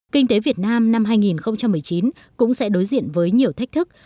kinh tế việt nam năm hai nghìn một mươi chín cũng sẽ đối diện với nhiều thách thức